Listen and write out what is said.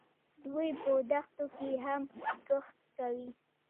دوی په دښتو کې هم کښت کوي.